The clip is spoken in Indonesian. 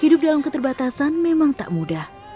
hidup dalam keterbatasan memang tak mudah